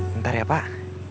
bentar ya pak